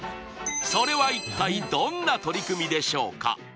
それは一体どんな取り組みでしょうか？